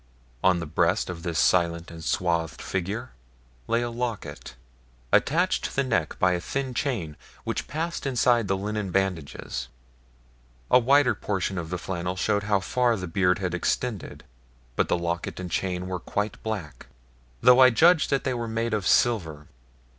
On the breast of this silent and swathed figure lay a locket, attached to the neck by a thin chain, which passed inside the linen bandages. A whiter portion of the flannel showed how far the beard had extended, but locket and chain were quite black, though I judged that they were made of silver.